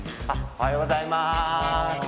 おはようございます。